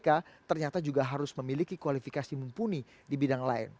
seorang pimpinan kpk ternyata juga harus memiliki kualifikasi mumpuni di bidang lain